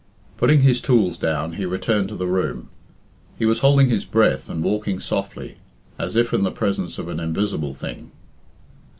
Putting his tools down, he returned to the room. He was holding his breath and walking softly, as if in the presence of an invisible thing.